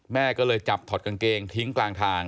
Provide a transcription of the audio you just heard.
แม่ก็เลยจับถอดกางเกงทิ้งกลางทาง